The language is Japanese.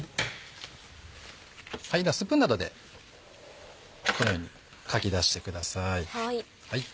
ではスプーンなどでこのようにかき出してください。